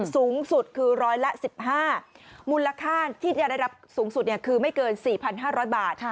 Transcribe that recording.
สูงสุดคือร้อยละ๑๕มูลค่าที่จะได้รับสูงสุดคือไม่เกิน๔๕๐๐บาท